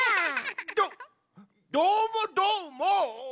どっどーもどーもっ！